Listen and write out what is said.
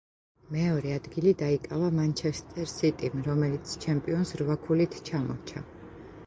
მეორე ადგილი დაიკავა მანჩესტერ სიტიმ, რომელიც ჩემპიონს რვა ქულით ჩამორჩა.